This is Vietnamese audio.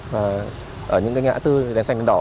và ở những ngã tư đèn xanh đỏ